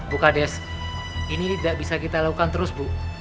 bu kades ini tidak bisa kita lakukan terus bu